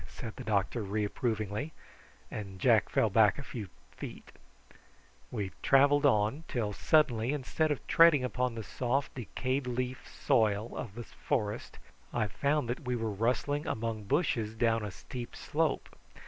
said the doctor reprovingly, and Jack fell back a few feet; and we travelled on, till suddenly, instead of treading upon the soft decayed leaf soil of the forest, I found that we were rustling among bushes down a steep slope.